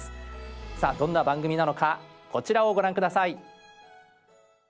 さあどんな番組なのかこちらをご覧下さい。